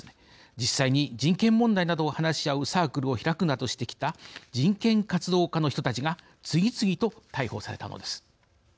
実際に人権問題などを話し合うサークルを開いたりしてきた人権活動家とされる人たちが次々と逮捕されたのです。